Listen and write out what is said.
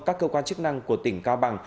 các cơ quan chức năng của tỉnh cao bằng